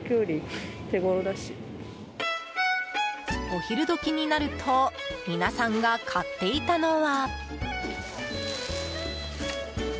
お昼時になると皆さんが買っていたのは。